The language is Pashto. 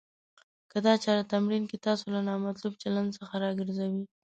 که دا چاره تمرین کړئ. تاسو له نامطلوب چلند څخه راګرځوي.